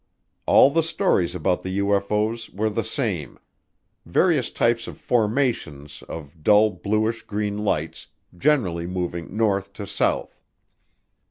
All the stories about the UFO's were the same; various types of formations of dull bluish green lights, generally moving north to south.